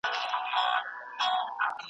د علمي مقاومت یو ستر سنګر و